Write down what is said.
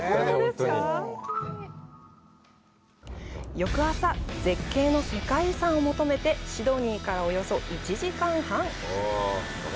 翌朝、絶景の世界遺産を求めてシドニーからおよそ１時間半。